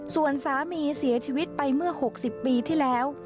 ส่วนสามีเสียชีวิตไปเมื่อ๖๐ปีที่แล้ว